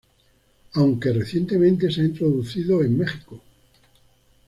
Aunque recientemente se ha introducido en Mexico.